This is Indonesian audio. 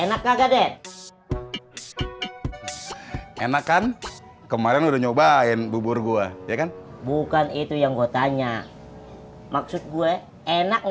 enak enak kan kemarin udah nyobain bubur gua bukan itu yang gue tanya maksud gue enak